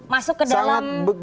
masuk ke dalam pertimbangan nggak